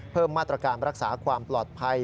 เพิ่มมาตรการรักษาความปลอดภัย